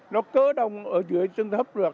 nó cơ đồng ở dưới chân thấp được